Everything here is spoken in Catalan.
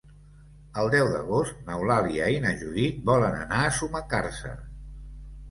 El deu d'agost n'Eulàlia i na Judit volen anar a Sumacàrcer.